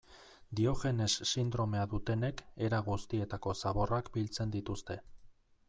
Diogenes sindromea dutenek era guztietako zaborrak biltzen dituzte.